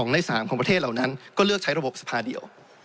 ใน๓ของประเทศเหล่านั้นก็เลือกใช้ระบบสภาเดียว